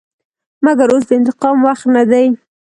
مګر اوس د انتقام وخت نه دى.